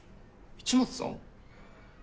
市松さん！